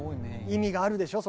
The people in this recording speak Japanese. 意味があるでしょ